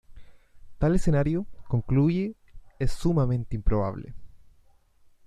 Tal escenario, concluye, es sumamente improbable.